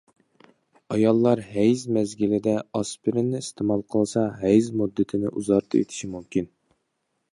ئاياللار ھەيز مەزگىلىدە ئاسپىرىننى ئىستېمال قىلسا ھەيز مۇددىتىنى ئۇزارتىۋېتىشى مۇمكىن.